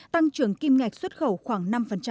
tăng trưởng kim ngạch xuất khẩu khoảng năm